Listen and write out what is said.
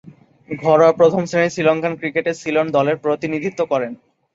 ঘরোয়া প্রথম-শ্রেণীর শ্রীলঙ্কান ক্রিকেটে সিলন দলের প্রতিনিধিত্ব করেন।